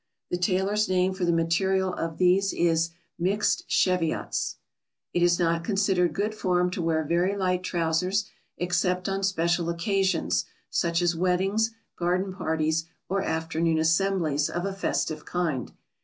The tailor's name for the material of these is "mixed cheviots." [Sidenote: Light trousers.] It is not considered good form to wear very light trousers except on special occasions, such as weddings, garden parties, or afternoon assemblies of a festive kind.